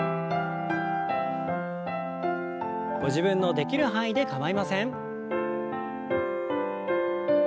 ご自分のできる範囲で構いません。